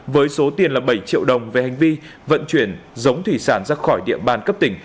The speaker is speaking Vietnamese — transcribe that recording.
với số tiền là bảy triệu đồng về hành vi vận chuyển giống thủy sản ra khỏi địa bàn cấp tỉnh